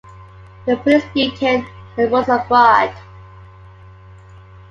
The police beaten and rogues abroad.